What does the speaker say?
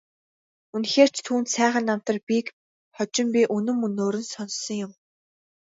Үнэхээр ч түүнд сайхан намтар бийг хожим би үнэн мөнөөр нь сонссон юм.